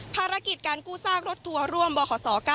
ภารกิจการกู้ซากรถทัวร์ร่วมบขศ๙